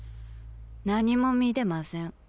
何も見てません。